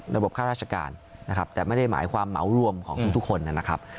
ข้าราชการนะครับแต่ไม่ได้หมายความเหมารวมของทุกคนนะครับ